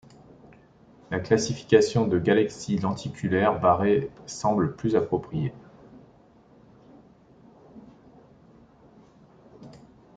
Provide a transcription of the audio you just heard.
La classification de galaxie lenticulaire barrée semble plus appropriée.